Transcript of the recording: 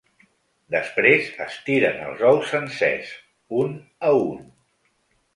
Després es tiren els ous sencers, un a un.